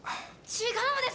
違うんです！